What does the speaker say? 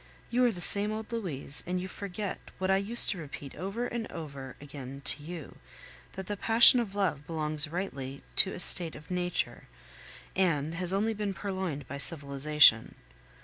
You are the same old Louise, and you forget, what I used to repeat over and over again to you, that the passion of love belongs rightly to a state of nature, and has only been purloined by civilization.